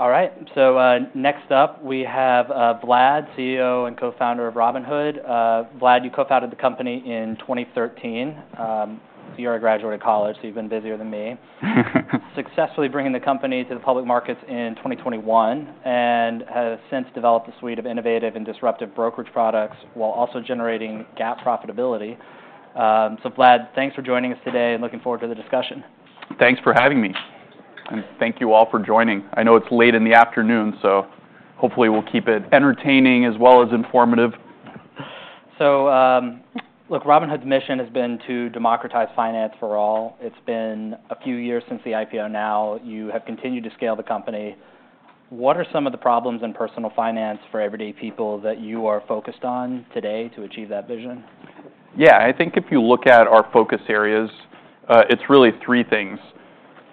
All right, so, next up we have, Vlad, CEO and Co-Founder of Robinhood. Vlad, you co-founded the company in 2013. You're a graduate of college, so you've been busier than me. Successfully bringing the company to the public markets in 2021, and has since developed a suite of innovative and disruptive brokerage products while also generating GAAP profitability. So Vlad, thanks for joining us today, and looking forward to the discussion. Thanks for having me, and thank you all for joining. I know it's late in the afternoon, so hopefully we'll keep it entertaining as well as informative. So, look, Robinhood's mission has been to democratize finance for all. It's been a few years since the IPO now. You have continued to scale the company. What are some of the problems in personal finance for everyday people that you are focused on today to achieve that vision? Yeah. I think if you look at our focus areas, it's really three things.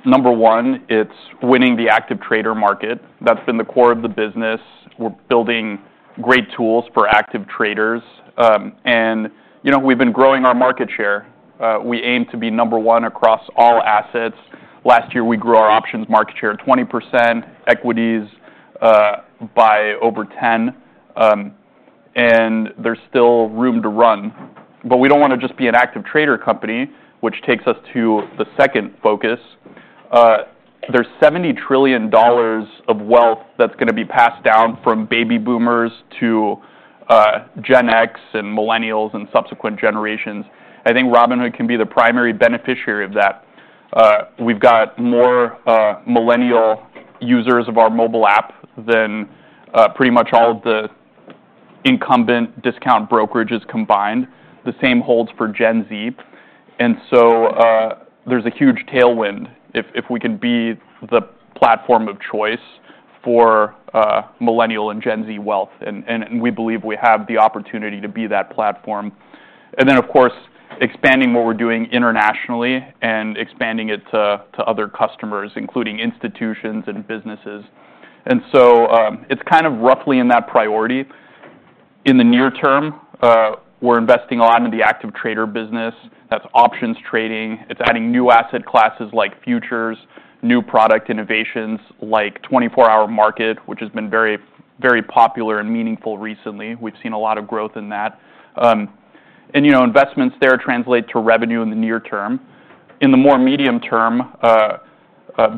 Number one, it's winning the active trader market. That's been the core of the business. We're building great tools for active traders, and, you know, we've been growing our market share. We aim to be number one across all assets. Last year, we grew our options market share 20%, equities, by over 10%, and there's still room to run, but we don't wanna just be an active trader company, which takes us to the second focus. There's $70 trillion of wealth that's gonna be passed down from Baby Boomers to Gen X and Millennials, and subsequent generations. I think Robinhood can be the primary beneficiary of that. We've got more Millennial users of our mobile app than pretty much all of the incumbent discount brokerages combined. The same holds for Gen Z. And so there's a huge tailwind if we can be the platform of choice for Millennial and Gen Z wealth, and we believe we have the opportunity to be that platform. And then, of course, expanding what we're doing internationally and expanding it to other customers, including institutions and businesses. And so it's kind of roughly in that priority. In the near term we're investing a lot into the active trader business. That's options trading. It's adding new asset classes like futures, new product innovations like 24 Hour Market, which has been very, very popular and meaningful recently. We've seen a lot of growth in that. And, you know, investments there translate to revenue in the near term. In the more medium term,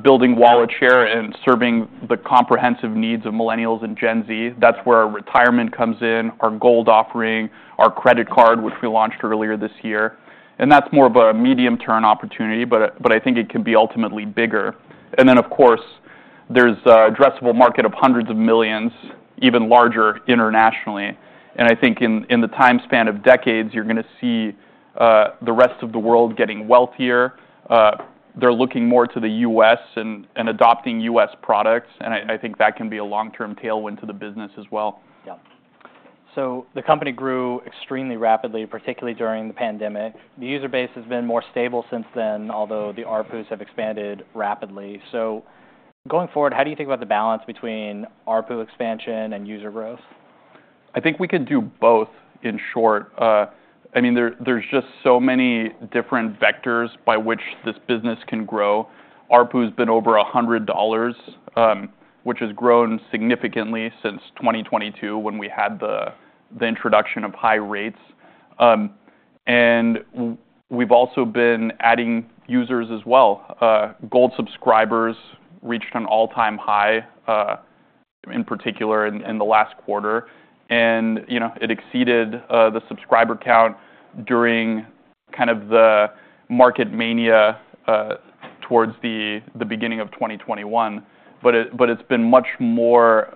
building wallet share and serving the comprehensive needs of Millennials and Gen Z, that's where our retirement comes in, our Gold offering, our credit card, which we launched earlier this year, and that's more of a medium-term opportunity, but I think it can be ultimately bigger. And then, of course, there's an addressable market of hundreds of millions, even larger internationally. And I think in the time span of decades, you're gonna see the rest of the world getting wealthier. They're looking more to the U.S. and adopting U.S. products, and I think that can be a long-term tailwind to the business as well. Yeah. So the company grew extremely rapidly, particularly during the pandemic. The user base has been more stable since then, although the ARPUs have expanded rapidly. So going forward, how do you think about the balance between ARPU expansion and user growth? I think we can do both, in short. I mean, there's just so many different vectors by which this business can grow. ARPU has been over $100, which has grown significantly since 2022, when we had the introduction of high rates. And we've also been adding users as well. Gold subscribers reached an all-time high, in particular in the last quarter, and, you know, it exceeded the subscriber count during kind of the market mania towards the beginning of 2021. But it's been much more.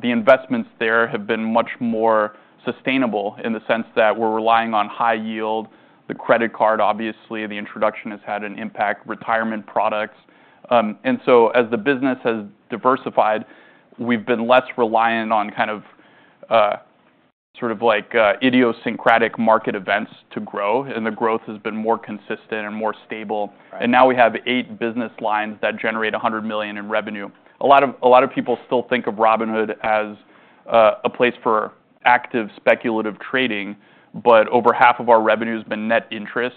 The investments there have been much more sustainable in the sense that we're relying on high yield. The credit card, obviously, the introduction has had an impact, retirement products. As the business has diversified, we've been less reliant on idiosyncratic market events to grow, and the growth has been more consistent and more stable. Right. Now we have eight business lines that generate $100 million in revenue. A lot of people still think of Robinhood as a place for active speculative trading, but over half of our revenue has been net interest.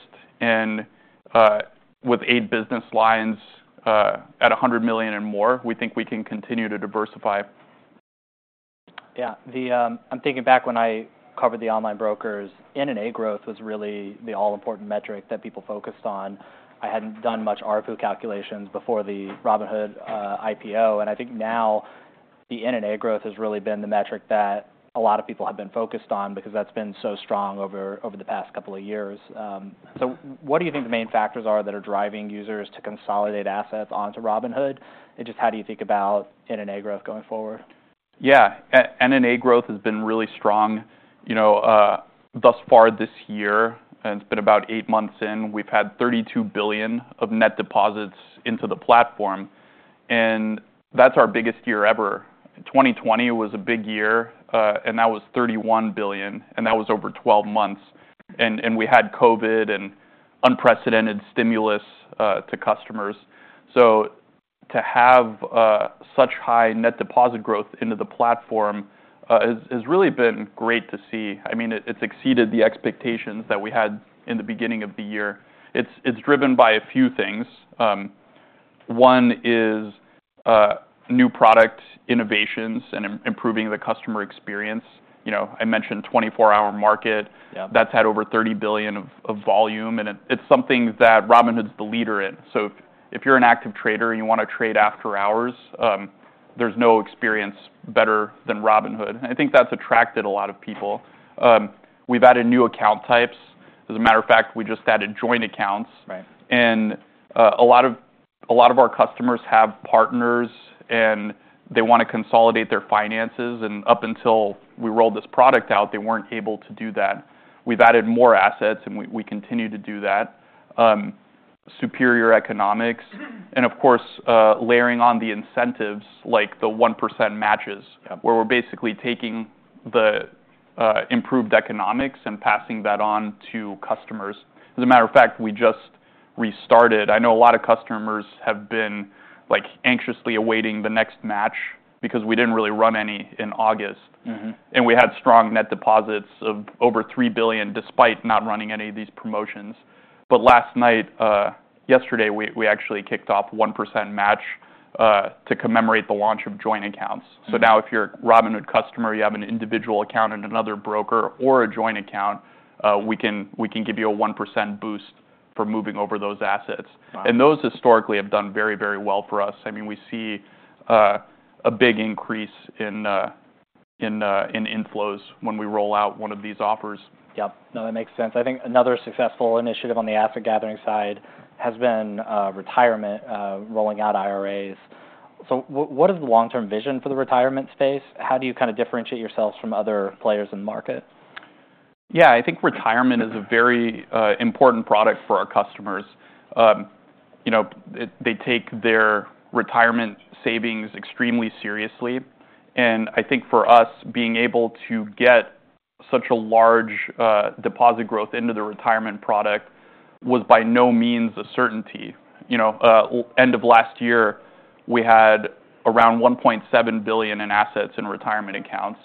With eight business lines at $100 million and more, we think we can continue to diversify. Yeah, I'm thinking back when I covered the online brokers. NNA growth was really the all-important metric that people focused on. I hadn't done much ARPU calculations before the Robinhood IPO, and I think now the NNA growth has really been the metric that a lot of people have been focused on, because that's been so strong over the past couple of years. So what do you think the main factors are that are driving users to consolidate assets onto Robinhood, and just how do you think about NNA growth going forward? Yeah. NNA growth has been really strong, you know, thus far this year, and it's been about eight months in. We've had $32 billion of net deposits into the platform, and that's our biggest year ever. 2020 was a big year, and that was $31 billion, and that was over 12 months, and we had COVID and unprecedented stimulus to customers, so to have such high net deposit growth into the platform has really been great to see. I mean, it's exceeded the expectations that we had in the beginning of the year. It's driven by a few things. One is new product innovations and improving the customer experience. You know, I mentioned 24 Hour Market. Yeah. That's had over 30 billion of volume, and it, it's something that Robinhood's the leader in. So if you're an active trader, and you wanna trade after hours, there's no experience better than Robinhood, and I think that's attracted a lot of people. We've added new account types. As a matter of fact, we just added joint accounts. Right. And, a lot of our customers have partners, and they wanna consolidate their finances, and up until we rolled this product out, they weren't able to do that. We've added more assets, and we continue to do that. Superior economics, and of course, layering on the incentives like the 1% matches- Yeah... where we're basically taking the, improved economics and passing that on to customers. As a matter of fact, we just restarted. I know a lot of customers have been, like, anxiously awaiting the next match because we didn't really run any in August. Mm-hmm. And we had strong net deposits of over $3 billion, despite not running any of these promotions. But last night, yesterday, we actually kicked off a 1% match to commemorate the launch of joint accounts. Mm. So now, if you're a Robinhood customer, you have an individual account and another broker or a joint account, we can give you a 1% boost for moving over those assets. Wow. And those historically have done very, very well for us. I mean, we see a big increase in inflows when we roll out one of these offers. Yep. No, that makes sense. I think another successful initiative on the asset gathering side has been retirement rolling out IRAs. So what is the long-term vision for the retirement space? How do you kind of differentiate yourselves from other players in the market? Yeah, I think retirement is a very important product for our customers. You know, they take their retirement savings extremely seriously, and I think for us, being able to get such a large deposit growth into the retirement product was by no means a certainty. You know, end of last year, we had around $1.7 billion in assets in retirement accounts,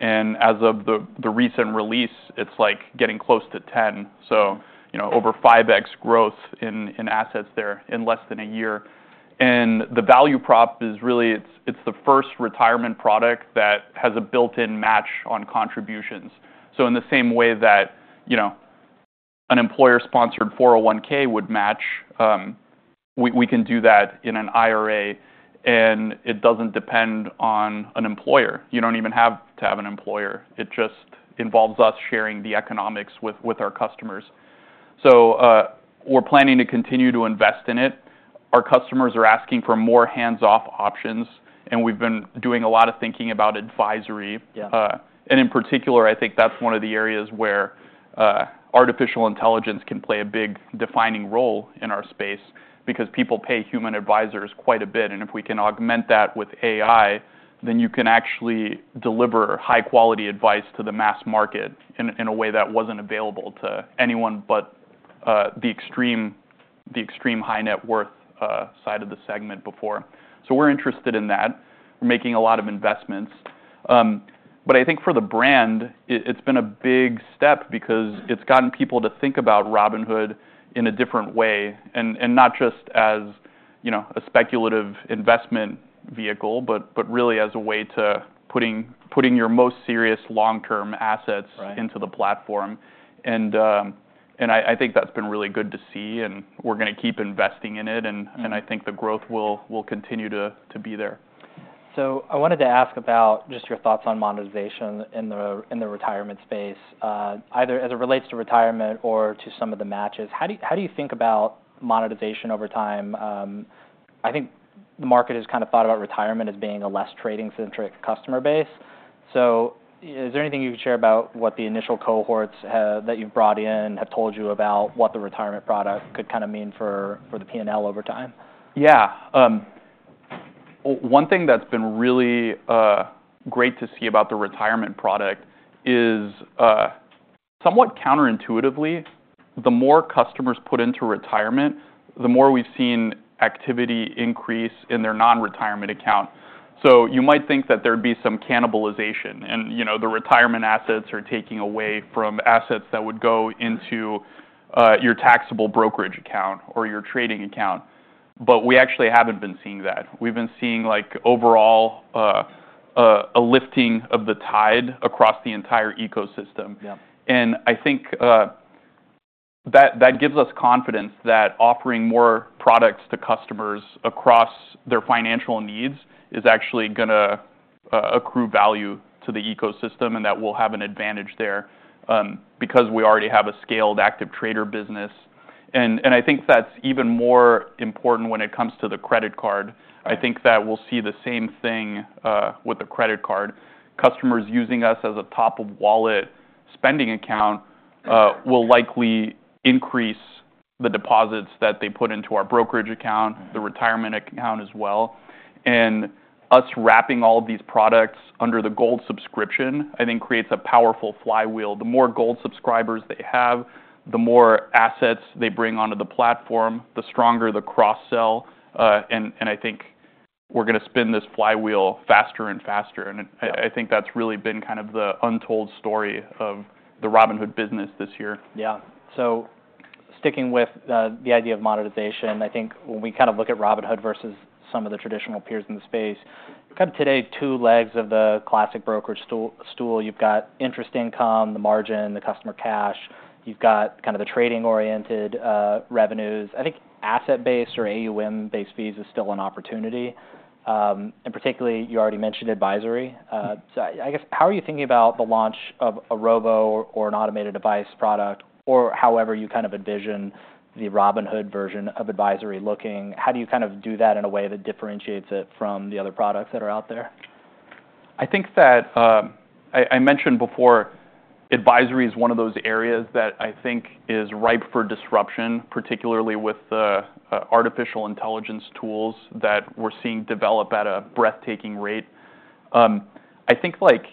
and as of the recent release, it's like getting close to $10 billion, so you know, over 5x growth in assets there in less than a year. And the value prop is really it's the first retirement product that has a built-in match on contributions. So in the same way that you know, an employer-sponsored 401(k) would match, we can do that in an IRA, and it doesn't depend on an employer. You don't even have to have an employer. It just involves us sharing the economics with our customers. So, we're planning to continue to invest in it. Our customers are asking for more hands-off options, and we've been doing a lot of thinking about advisory. Yeah. And in particular, I think that's one of the areas where artificial intelligence can play a big defining role in our space, because people pay human advisors quite a bit, and if we can augment that with AI, then you can actually deliver high-quality advice to the mass market in a way that wasn't available to anyone but the extreme high-net-worth side of the segment before. So we're interested in that. We're making a lot of investments. But I think for the brand, it's been a big step because it's gotten people to think about Robinhood in a different way, and not just as, you know, a speculative investment vehicle, but really as a way to putting your most serious long-term assets- Right... into the platform. And I think that's been really good to see, and we're gonna keep investing in it, and- Mm... and I think the growth will continue to be there. So I wanted to ask about just your thoughts on monetization in the retirement space, either as it relates to retirement or to some of the matches. How do you think about monetization over time? I think the market has kind of thought about retirement as being a less trading-centric customer base. So is there anything you can share about what the initial cohorts that you've brought in have told you about what the retirement product could kind of mean for the P&L over time? Yeah. One thing that's been really great to see about the retirement product is, somewhat counterintuitively, the more customers put into retirement, the more we've seen activity increase in their non-retirement account. So you might think that there'd be some cannibalization, and, you know, the retirement assets are taking away from assets that would go into your taxable brokerage account or your trading account. But we actually haven't been seeing that. We've been seeing, like, overall, a lifting of the tide across the entire ecosystem. Yeah. And I think that gives us confidence that offering more products to customers across their financial needs is actually gonna accrue value to the ecosystem, and that we'll have an advantage there because we already have a scaled active trader business. And I think that's even more important when it comes to the credit card. Yeah. I think that we'll see the same thing with the credit card. Customers using us as a top-of-wallet spending account will likely increase the deposits that they put into our brokerage account- Mm... the retirement account as well, and us wrapping all these products under the Gold subscription, I think, creates a powerful flywheel. The more Gold subscribers they have, the more assets they bring onto the platform, the stronger the cross-sell, and I think we're gonna spin this flywheel faster and faster, and I think that's really been kind of the untold story of the Robinhood business this year. Yeah. So sticking with the idea of monetization, I think when we kind of look at Robinhood versus some of the traditional peers in the space, kind of today, two legs of the classic brokerage stool. You've got interest income, the margin, the customer cash. You've got kind of the trading-oriented revenues. I think asset-based or AUM-based fees is still an opportunity. And particularly, you already mentioned advisory. So I guess, how are you thinking about the launch of a robo or an automated advice product, or however you kind of envision the Robinhood version of advisory looking? How do you kind of do that in a way that differentiates it from the other products that are out there? I think that, I mentioned before, advisory is one of those areas that I think is ripe for disruption, particularly with the, artificial intelligence tools that we're seeing develop at a breathtaking rate. I think like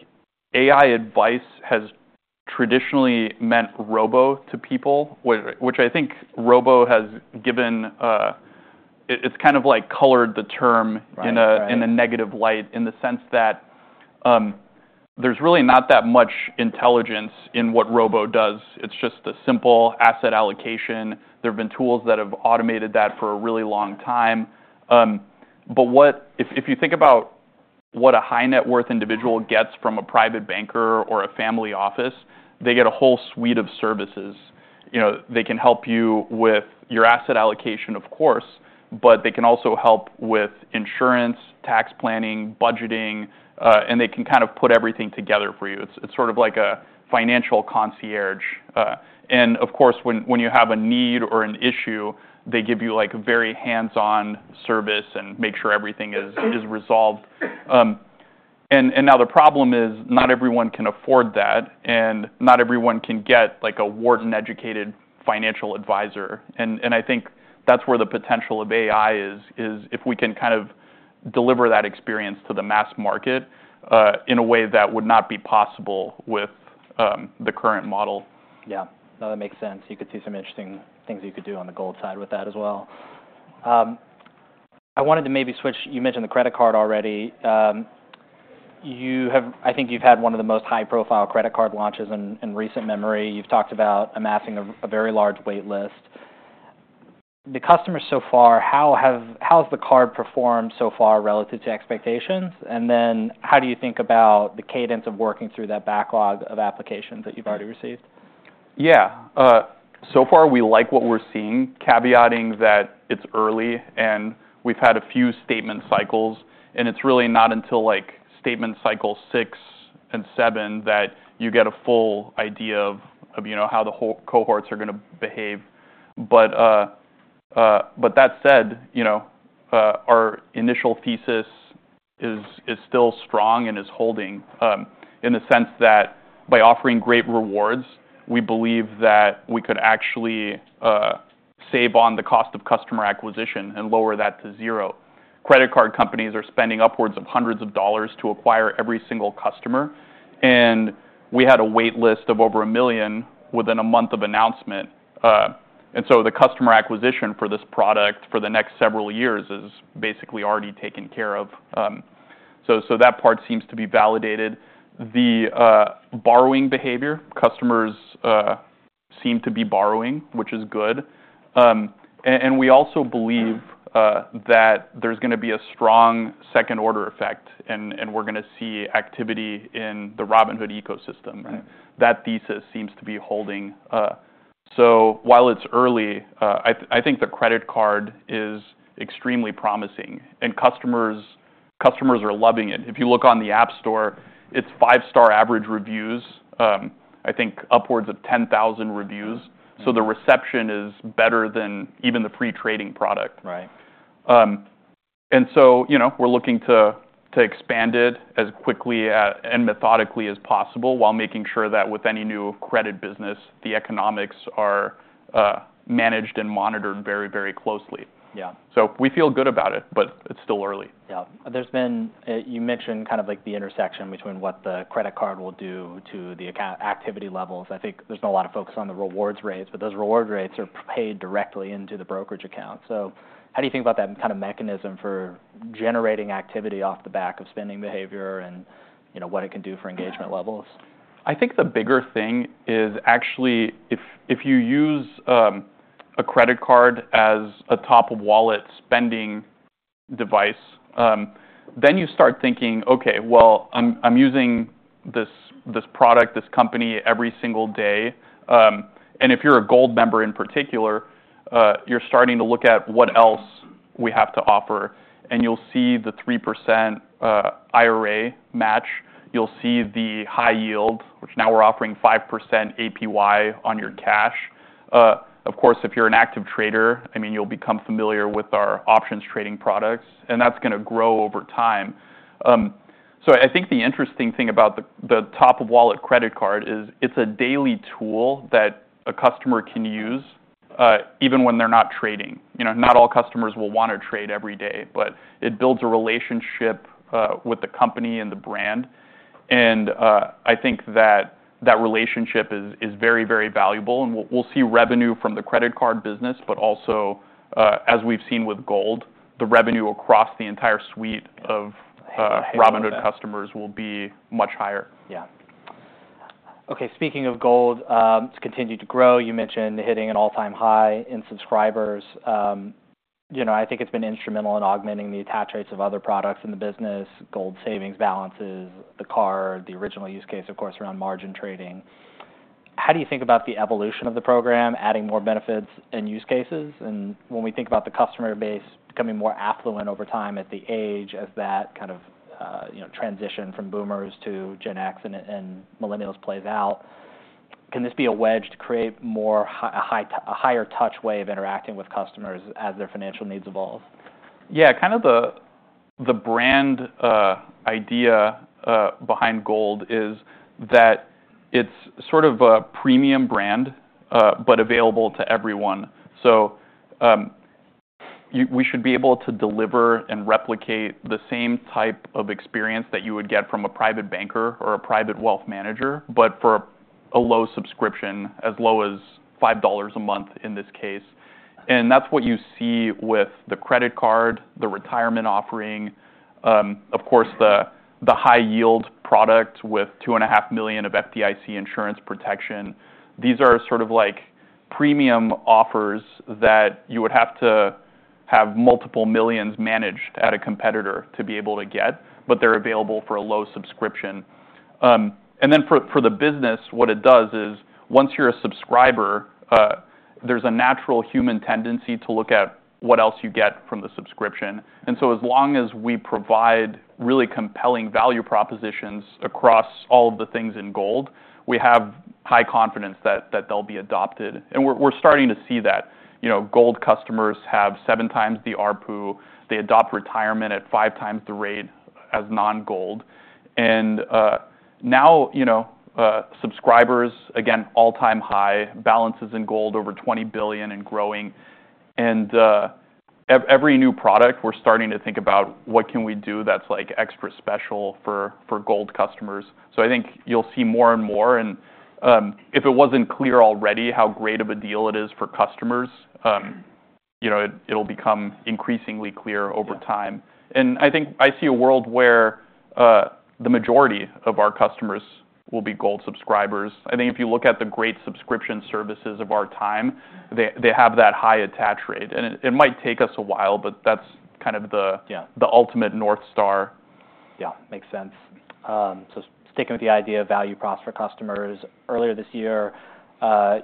AI advice has traditionally meant robo to people, which I think robo has given. It, it's kind of like colored the term- Right, right... in a negative light, in the sense that, there's really not that much intelligence in what robo does. It's just a simple asset allocation. There have been tools that have automated that for a really long time. But if you think about what a high net worth individual gets from a private banker or a family office, they get a whole suite of services. You know, they can help you with your asset allocation, of course, but they can also help with insurance, tax planning, budgeting, and they can kind of put everything together for you. It's sort of like a financial concierge. And of course, when you have a need or an issue, they give you, like, a very hands-on service and make sure everything is resolved. Now the problem is, not everyone can afford that, and not everyone can get, like, a Wharton-educated financial advisor. I think that's where the potential of AI is if we can kind of deliver that experience to the mass market, in a way that would not be possible with the current model. Yeah. No, that makes sense. You could see some interesting things you could do on the gold side with that as well. I wanted to maybe switch. You mentioned the credit card already. You have I think you've had one of the most high-profile credit card launches in recent memory. You've talked about amassing a very large wait list. The customers so far, how has the card performed so far relative to expectations? And then how do you think about the cadence of working through that backlog of applications that you've already received? Yeah. So far, we like what we're seeing, caveating that it's early and we've had a few statement cycles, and it's really not until like statement cycle six and seven that you get a full idea of you know how the whole cohorts are gonna behave. But that said, you know our initial thesis is still strong and is holding in the sense that by offering great rewards, we believe that we could actually save on the cost of customer acquisition and lower that to zero. Credit card companies are spending upwards of hundreds of dollars to acquire every single customer, and we had a wait list of over 1 million within a month of announcement. And so the customer acquisition for this product for the next several years is basically already taken care of. That part seems to be validated. The borrowing behavior. Customers seem to be borrowing, which is good. We also believe that there's gonna be a strong second-order effect, and we're gonna see activity in the Robinhood ecosystem. Right. That thesis seems to be holding, so while it's early, I think the credit card is extremely promising, and customers are loving it. If you look on the App Store, it's five-star average reviews, I think upwards of 10,000 reviews. Mm. The reception is better than even the pre-trading product. Right. And so, you know, we're looking to expand it as quickly and methodically as possible, while making sure that with any new credit business, the economics are managed and monitored very, very closely. Yeah. So we feel good about it, but it's still early. Yeah. There's been. You mentioned kind of like the intersection between what the credit card will do to the account activity levels. I think there's been a lot of focus on the rewards rates, but those reward rates are paid directly into the brokerage account. So how do you think about that kind of mechanism for generating activity off the back of spending behavior and, you know, what it can do for engagement levels? I think the bigger thing is actually if you use a credit card as a top-of-wallet spending device, then you start thinking, "Okay, well, I'm using this product, this company, every single day." And if you're a Gold member in particular, you're starting to look at what else we have to offer, and you'll see the 3% IRA match, you'll see the high yield, which now we're offering 5% APY on your cash. Of course, if you're an active trader, I mean, you'll become familiar with our options trading products, and that's gonna grow over time. So I think the interesting thing about the top-of-wallet credit card is it's a daily tool that a customer can use even when they're not trading. You know, not all customers will want to trade every day, but it builds a relationship with the company and the brand, and I think that relationship is very, very valuable, and we'll see revenue from the credit card business, but also, as we've seen with Gold, the revenue across the entire suite of Robinhood customers will be much higher. Yeah. Okay, speaking of Gold, it's continued to grow. You mentioned hitting an all-time high in subscribers. You know, I think it's been instrumental in augmenting the attach rates of other products in the business, Gold savings balances, the card, the original use case, of course, around margin trading. How do you think about the evolution of the program, adding more benefits and use cases? And when we think about the customer base becoming more affluent over time at the age as that kind of, you know, transition from Boomers to Gen X and Millennials plays out, can this be a wedge to create a higher touch way of interacting with customers as their financial needs evolve? Yeah, kind of the, the brand idea behind Gold is that it's sort of a premium brand, but available to everyone. So, we should be able to deliver and replicate the same type of experience that you would get from a private banker or a private wealth manager, but for a low subscription, as low as $5 a month, in this case. And that's what you see with the credit card, the retirement offering, of course, the high yield product with $2.5 million of FDIC insurance protection. These are sort of like premium offers that you would have to have multiple millions managed at a competitor to be able to get, but they're available for a low subscription. And then for the business, what it does is, once you're a subscriber, there's a natural human tendency to look at what else you get from the subscription. And so as long as we provide really compelling value propositions across all of the things in Gold, we have high confidence that they'll be adopted. And we're starting to see that. You know, Gold customers have seven times the ARPU. They adopt retirement at five times the rate as non-Gold. And now, you know, subscribers, again, all-time high, balances in Gold, over $20 billion and growing. And every new product, we're starting to think about what can we do that's like extra special for Gold customers. So I think you'll see more and more, and if it wasn't clear already how great of a deal it is for customers, you know, it, it'll become increasingly clear over time. Yeah. I think I see a world where the majority of our customers will be Gold subscribers. I think if you look at the great subscription services of our time, they have that high attach rate, and it might take us a while, but that's kind of the- Yeah... the ultimate North Star. Yeah, makes sense. So sticking with the idea of value props for customers, earlier this year,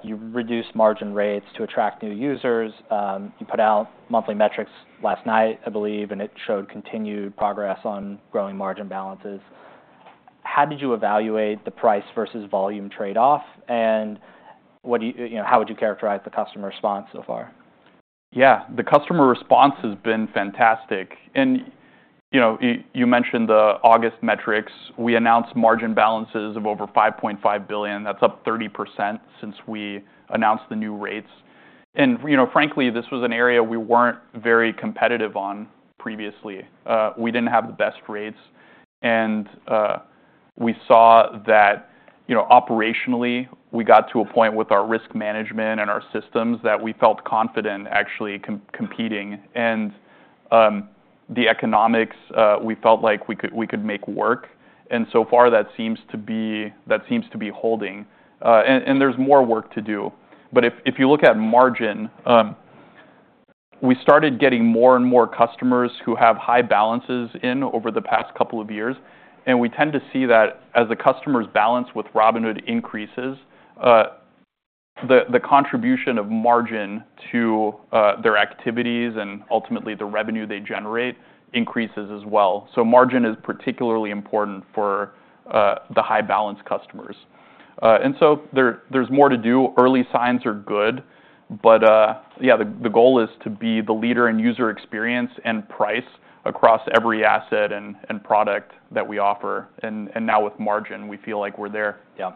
you reduced margin rates to attract new users. You put out monthly metrics last night, I believe, and it showed continued progress on growing margin balances. How did you evaluate the price versus volume trade-off, and what do you, how would you characterize the customer response so far? Yeah, the customer response has been fantastic. And, you know, you mentioned the August metrics. We announced margin balances of over $5.5 billion. That's up 30% since we announced the new rates. And, you know, frankly, this was an area we weren't very competitive on previously. We didn't have the best rates, and we saw that, you know, operationally, we got to a point with our risk management and our systems that we felt confident actually competing. And, the economics, we felt like we could make work, and so far, that seems to be holding. And there's more work to do. But if you look at margin, we started getting more and more customers who have high balances in over the past couple of years, and we tend to see that as the customer's balance with Robinhood increases, the contribution of margin to their activities and ultimately the revenue they generate, increases as well. So margin is particularly important for the high balance customers. And so there's more to do. Early signs are good, but yeah, the goal is to be the leader in user experience and price across every asset and product that we offer. And now with margin, we feel like we're there. Yeah.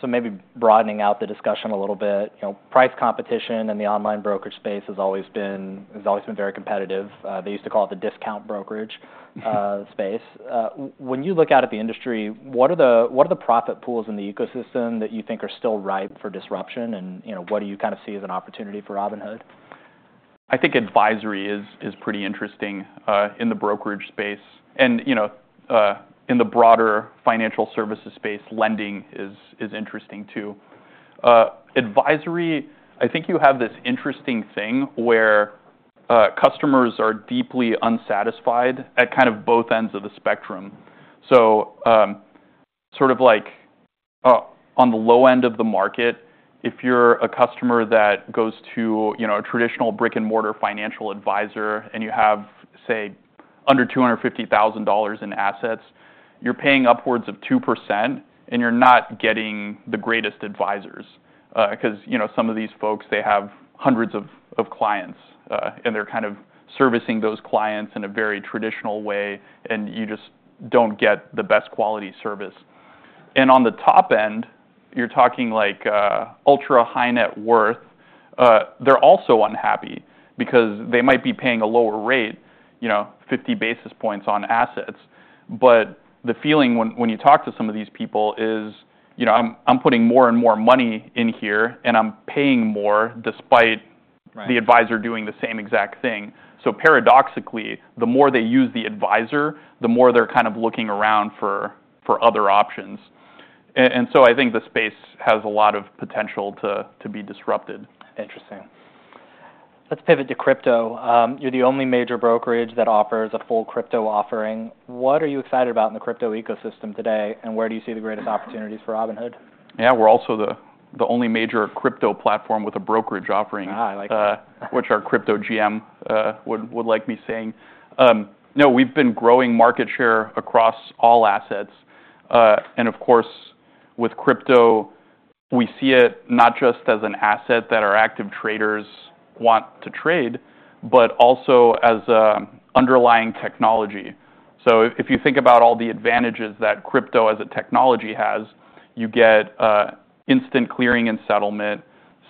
So maybe broadening out the discussion a little bit, you know, price competition in the online brokerage space has always been very competitive. They used to call it the discount brokerage space. When you look out at the industry, what are the profit pools in the ecosystem that you think are still ripe for disruption? And, you know, what do you kind of see as an opportunity for Robinhood? I think advisory is pretty interesting in the brokerage space. And, you know, in the broader financial services space, lending is interesting, too. Advisory, I think you have this interesting thing where customers are deeply unsatisfied at kind of both ends of the spectrum. So, sort of like, on the low end of the market, if you're a customer that goes to, you know, a traditional brick-and-mortar financial advisor, and you have, say, under $250,000 in assets, you're paying upwards of 2%, and you're not getting the greatest advisors. 'Cause, you know, some of these folks, they have hundreds of clients, and they're kind of servicing those clients in a very traditional way, and you just don't get the best quality service. and on the top end, you're talking like, ultra high net worth. They're also unhappy because they might be paying a lower rate, you know, 50 basis points on assets. But the feeling when you talk to some of these people is, you know, I'm putting more and more money in here, and I'm paying more despite- Right - the advisor doing the same exact thing. So paradoxically, the more they use the advisor, the more they're kind of looking around for other options, and so I think the space has a lot of potential to be disrupted. Interesting. Let's pivot to crypto. You're the only major brokerage that offers a full crypto offering. What are you excited about in the crypto ecosystem today, and where do you see the greatest opportunities for Robinhood? Yeah, we're also the only major crypto platform with a brokerage offering. Ah, I like that. which our crypto GM would like me saying. No, we've been growing market share across all assets. And of course, with crypto, we see it not just as an asset that our active traders want to trade, but also as an underlying technology. So if you think about all the advantages that crypto as a technology has, you get instant clearing and settlement,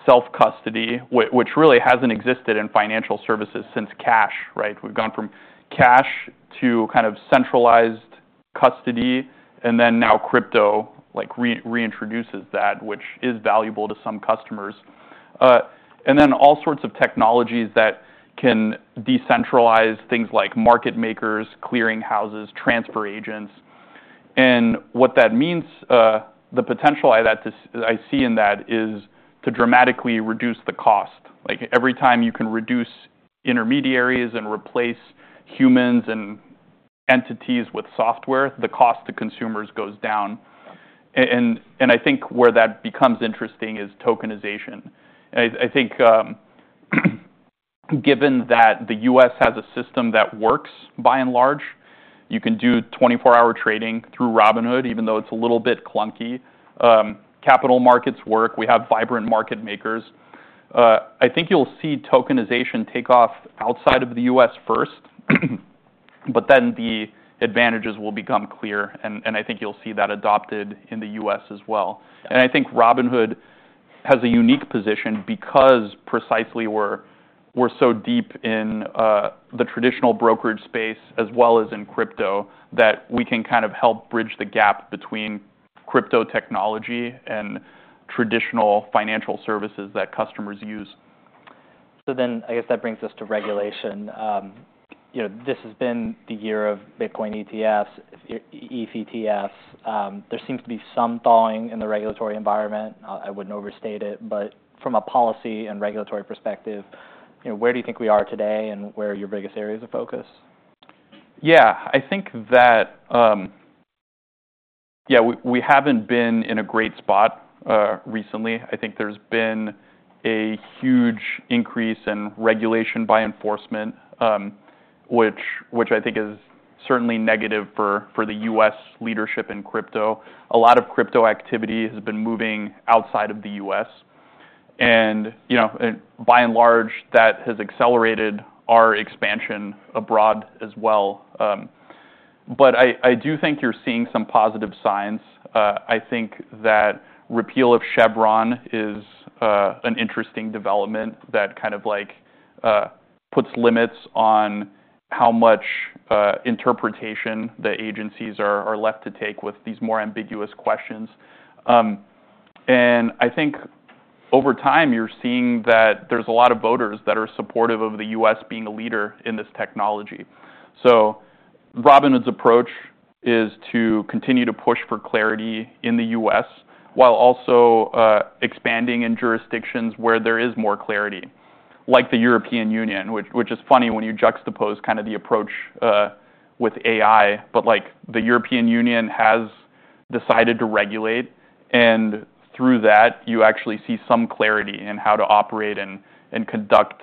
self-custody, which really hasn't existed in financial services since cash, right? We've gone from cash to kind of centralized custody, and then now crypto like reintroduces that, which is valuable to some customers. And then all sorts of technologies that can decentralize things like market makers, clearing houses, transfer agents. And what that means, the potential that I see in that, is to dramatically reduce the cost. Like, every time you can reduce intermediaries and replace humans and entities with software, the cost to consumers goes down. Yeah. And I think where that becomes interesting is tokenization. I think, given that the U.S. has a system that works by and large, you can do 24-hour trading through Robinhood, even though it's a little bit clunky. Capital markets work. We have vibrant market makers. I think you'll see tokenization take off outside of the U.S. first, but then the advantages will become clear, and I think you'll see that adopted in the U.S. as well, and I think Robinhood has a unique position because precisely we're so deep in the traditional brokerage space as well as in crypto, that we can kind of help bridge the gap between crypto technology and traditional financial services that customers use. So then I guess that brings us to regulation. You know, this has been the year of Bitcoin ETFs. There seems to be some thawing in the regulatory environment. I wouldn't overstate it, but from a policy and regulatory perspective, you know, where do you think we are today, and where are your biggest areas of focus? Yeah, I think that, yeah, we haven't been in a great spot recently. I think there's been a huge increase in regulation by enforcement, which I think is certainly negative for the U.S. leadership in crypto. A lot of crypto activity has been moving outside of the U.S., and, you know, and by and large, that has accelerated our expansion abroad as well. But I do think you're seeing some positive signs. I think that repeal of Chevron is an interesting development that kind of like puts limits on how much interpretation the agencies are left to take with these more ambiguous questions. And I think over time, you're seeing that there's a lot of voters that are supportive of the U.S. being a leader in this technology. So Robinhood's approach is to continue to push for clarity in the U.S., while also expanding in jurisdictions where there is more clarity, like the European Union, which is funny when you juxtapose kind of the approach with AI. But, like, the European Union has decided to regulate, and through that, you actually see some clarity in how to operate and conduct,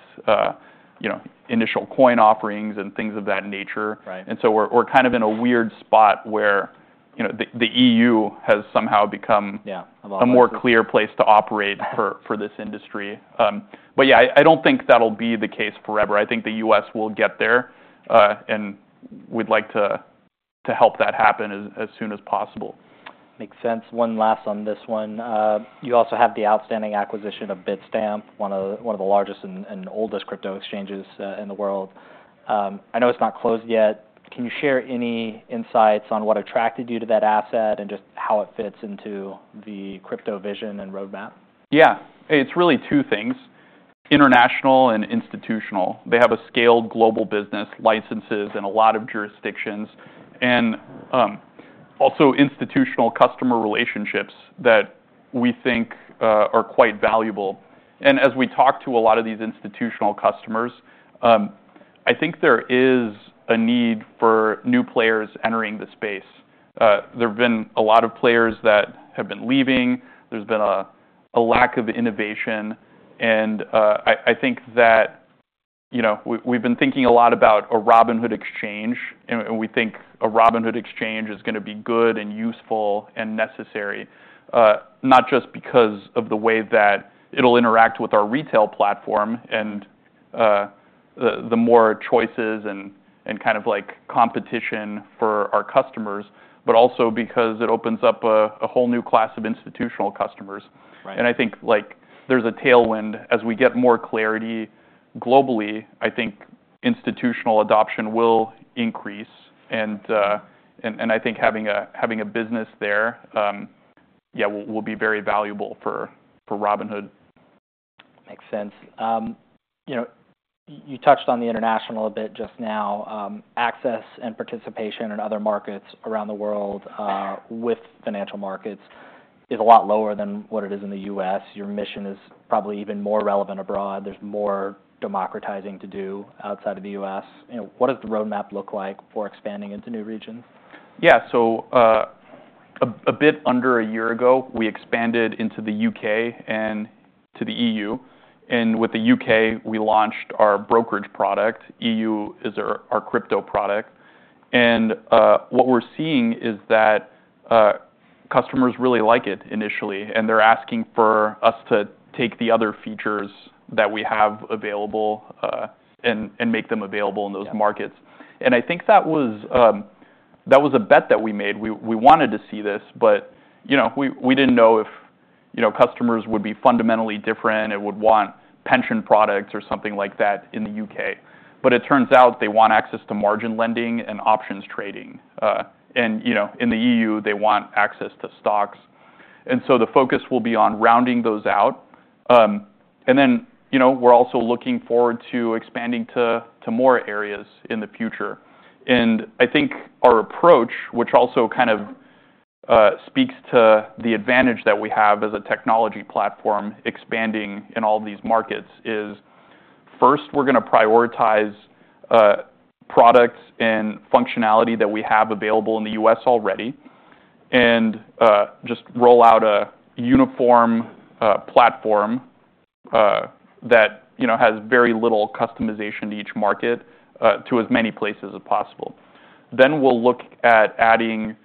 you know, initial coin offerings and things of that nature. Right. And so we're kind of in a weird spot where, you know, the EU has somehow become- Yeah, a lot more- - a more clear place to operate for this industry. But yeah, I don't think that'll be the case forever. I think the U.S. will get there, and we'd like to help that happen as soon as possible. Makes sense. One last on this one. You also have the outstanding acquisition of Bitstamp, one of the largest and oldest crypto exchanges in the world. I know it's not closed yet. Can you share any insights on what attracted you to that asset and just how it fits into the crypto vision and roadmap? Yeah. It's really two things, international and institutional. They have a scaled global business, licenses in a lot of jurisdictions, and also institutional customer relationships that we think are quite valuable. And as we talk to a lot of these institutional customers, I think there is a need for new players entering the space. There have been a lot of players that have been leaving. There's been a lack of innovation, and I think that, you know, we've been thinking a lot about a Robinhood exchange, and we think a Robinhood exchange is gonna be good and useful and necessary, not just because of the way that it'll interact with our retail platform and the more choices and kind of like competition for our customers, but also because it opens up a whole new class of institutional customers. Right. And I think, like, there's a tailwind. As we get more clarity globally, I think institutional adoption will increase, and I think having a business there will be very valuable for Robinhood. Makes sense. You know, you touched on the international a bit just now. Access and participation in other markets around the world with financial markets is a lot lower than what it is in the U.S. Your mission is probably even more relevant abroad. There's more democratizing to do outside of the U.S. You know, what does the roadmap look like for expanding into new regions? Yeah. So, a bit under a year ago, we expanded into the UK and to the EU, and with the UK, we launched our brokerage product. EU is our crypto product. And, what we're seeing is that, customers really like it initially, and they're asking for us to take the other features that we have available, and make them available in those markets. Yeah. And I think that was a bet that we made. We wanted to see this, but, you know, we didn't know if, you know, customers would be fundamentally different and would want pension products or something like that in the UK. But it turns out they want access to margin lending and options trading. And, you know, in the EU, they want access to stocks, and so the focus will be on rounding those out. And then, you know, we're also looking forward to expanding to more areas in the future. And I think our approach, which also kind of speaks to the advantage that we have as a technology platform expanding in all these markets, is first, we're gonna prioritize products and functionality that we have available in the U.S. already, and just roll out a uniform platform that, you know, has very little customization to each market to as many places as possible. Then we'll look at adding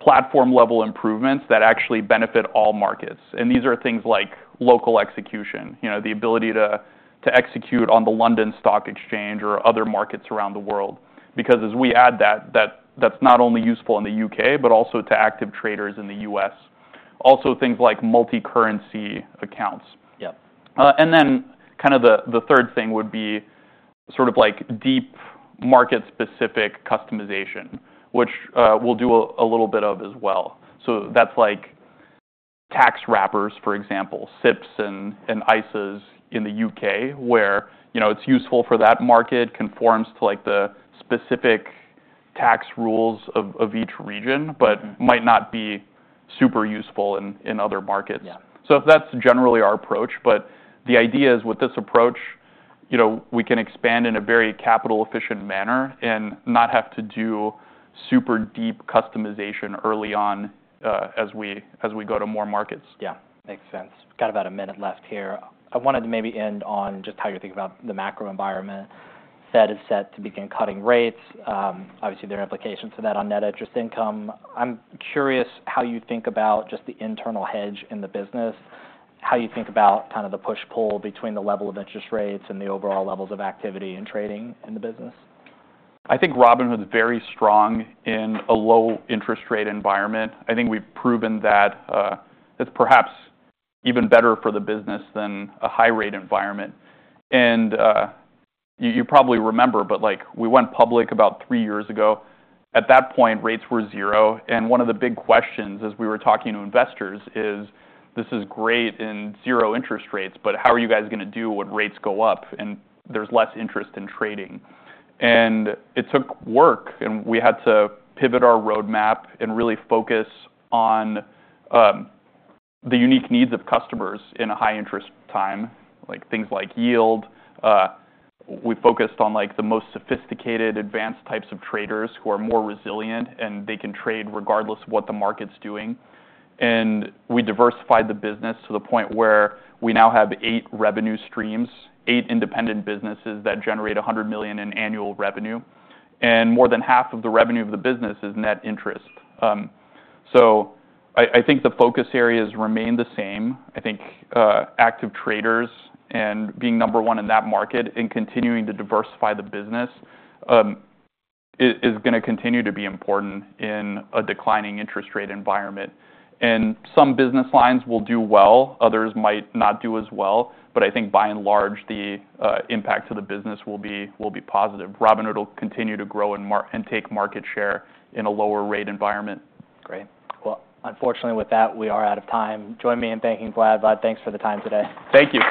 platform-level improvements that actually benefit all markets, and these are things like local execution, you know, the ability to execute on the London Stock Exchange or other markets around the world. Because as we add that, that's not only useful in the U.K., but also to active traders in the U.S. Also, things like multicurrency accounts. Yeah. And then kind of the third thing would be sort of like deep market-specific customization, which we'll do a little bit of as well. So that's like tax wrappers, for example, SIPPs and ISAs in the U.K., where you know it's useful for that market, conforms to like the specific tax rules of each region. Mm-hmm. -but might not be super useful in other markets. Yeah. That's generally our approach, but the idea is with this approach, you know, we can expand in a very capital-efficient manner and not have to do super deep customization early on, as we go to more markets. Yeah, makes sense. Got about a minute left here. I wanted to maybe end on just how you think about the macro environment. Fed is set to begin cutting rates. Obviously, there are implications to that on net interest income. I'm curious how you think about just the internal hedge in the business, how you think about kind of the push-pull between the level of interest rates and the overall levels of activity and trading in the business. I think Robinhood is very strong in a low-interest rate environment. I think we've proven that, it's perhaps even better for the business than a high-rate environment, and you probably remember, but, like, we went public about three years ago. At that point, rates were zero, and one of the big questions as we were talking to investors is, "This is great in zero interest rates, but how are you guys gonna do when rates go up and there's less interest in trading?" and it took work, and we had to pivot our roadmap and really focus on the unique needs of customers in a high-interest time, like things like yield. We focused on, like, the most sophisticated, advanced types of traders who are more resilient, and they can trade regardless of what the market's doing. We diversified the business to the point where we now have eight revenue streams, eight independent businesses that generate $100 million in annual revenue, and more than half of the revenue of the business is net interest. So I think the focus areas remain the same. I think active traders and being number one in that market and continuing to diversify the business is gonna continue to be important in a declining interest rate environment. Some business lines will do well, others might not do as well, but I think by and large the impact to the business will be positive. Robinhood will continue to grow and take market share in a lower rate environment. Great. Well, unfortunately, with that, we are out of time. Join me in thanking Vlad. Vlad, thanks for the time today. Thank you.